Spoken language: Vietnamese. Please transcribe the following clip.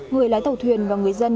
người lái tàu thuyền và người dân